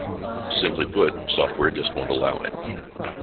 Simply put, software just won't allow it.